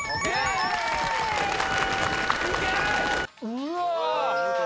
うわ！